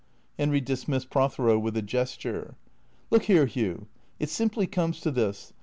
Henry dismissed Prothero with a gesture. " Look here, Hugh. It simply comes to this.